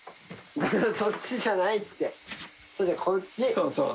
そうそう。